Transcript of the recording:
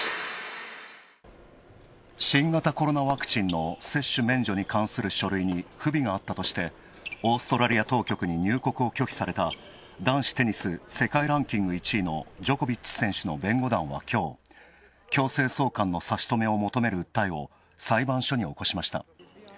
新型コロナワクチンの接種免除に関する書類に不備があったとして、オーストラリア当局に入国を拒否された男子テニス世界ランキング１位のジョコビッチ選手の弁護団はきょう、強制送還の差し止めを求める訴えを裁判所に起こしました。